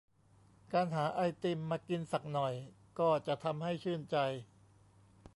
การหาไอติมมากินสักหน่อยก็จะทำให้ชื่นใจ